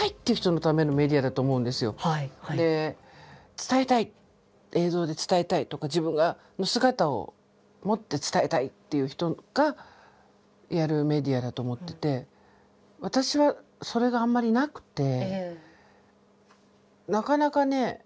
伝えたい映像で伝えたいとか自分の姿をもって伝えたいっていう人がやるメディアだと思ってて私はそれがあんまりなくてなかなかね